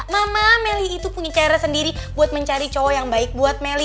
mama melly itu punya cara sendiri buat mencari cowok yang baik buat melly